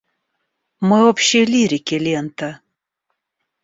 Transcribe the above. Мы общей лирики лента.